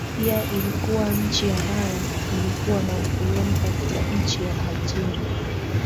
pia ilikuwa nchi ambayo ilikuwa na ukoloni katika nchi ya algeria